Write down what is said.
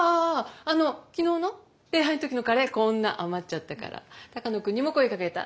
あの昨日の礼拝の時のカレーこんな余っちゃったから鷹野君にも声かけた。